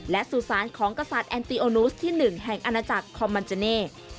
และสุสานของกษัตริย์แอนติโอนูสที่๑แห่งอาณาจักรคอมมันเจเน่